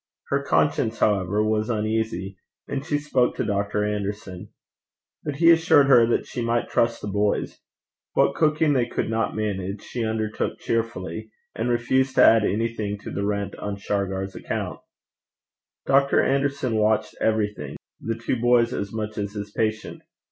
Her conscience, however, was uneasy, and she spoke to Dr. Anderson; but he assured her that she might trust the boys. What cooking they could not manage, she undertook cheerfully, and refused to add anything to the rent on Shargar's account. Dr. Anderson watched everything, the two boys as much as his patient.